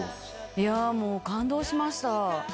いやー、もう感動しました。